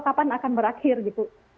kapan akan berakhir gitu